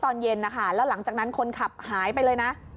ตอนเย็นนะคะแล้วหลังจากนั้นคนขับหายไปเลยนะ